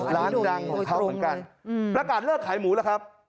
ร้านดังของเขาเหมือนกันประกาศเลิกขายหมูแล้วครับ